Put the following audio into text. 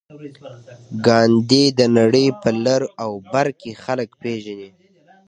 ګاندي د نړۍ په لر او بر کې خلک پېژني.